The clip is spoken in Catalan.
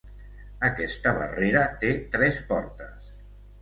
Aquesta barrera té tres portes.